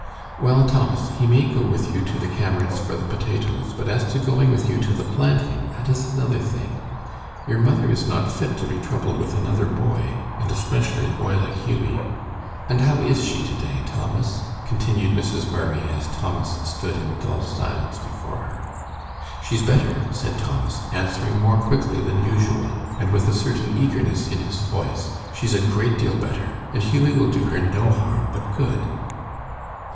"Well, Thomas, he may go with you to the Cameron's for the potatoes, but as to going with you to the planting, that is another thing. Your mother is not fit to be troubled with another boy, and especially a boy like Hughie. And how is she to day, Thomas?" continued Mrs. Murray, as Thomas stood in dull silence before her. "She's better," said Thomas, answering more quickly than usual, and with a certain eagerness in his voice. "She's a great deal better, and Hughie will do her no harm, but good."